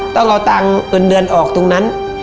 ต้องเอาตังค์เงินเดือนออกตรงนั้น